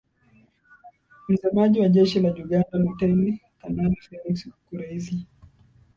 msemaji wa jeshi la uganda luteni kanali felix kureithi